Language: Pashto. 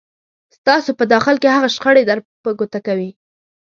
ستاسو په داخل کې هغه شخړې در په ګوته کوي.